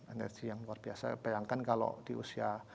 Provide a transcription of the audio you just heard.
energi yang luar biasa bayangkan kalau di usia